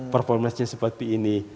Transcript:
performasinya seperti ini